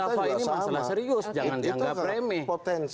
jangan janggah premie